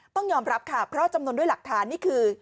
ต้องยอมรับค่ะเพราะจำนวนด้วยหลักฐานนี่คือ